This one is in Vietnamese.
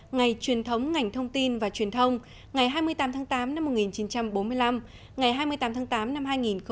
ngày truyền thống ngành thông tin và truyền thông ngày hai mươi tám tháng tám năm một nghìn chín trăm bốn mươi năm ngày hai mươi tám tháng tám năm hai nghìn một mươi chín